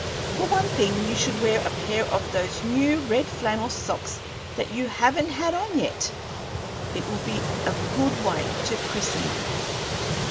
For one thing, you should wear a pair of those new red flannel socks that you haven't had on yet; it will be a good way to christen 'em.